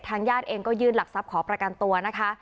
ญาติเองก็ยื่นหลักทรัพย์ขอประกันตัวนะคะ